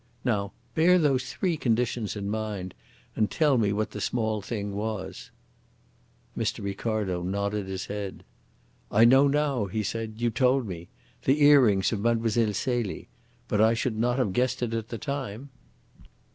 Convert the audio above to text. Now bear those three conditions in mind, and tell me what the small thing was." Mr. Ricardo nodded his head. "I know now," he said. "You told me. The earrings of Mlle. Celie. But I should not have guessed it at the time."